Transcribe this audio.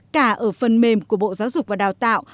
cả ở phần mềm của bộ giáo dục và đào tạo